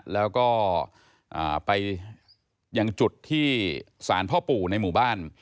แล้วก็ไปยังจุดที่สารพ่อปู่ในหมู่บ้าน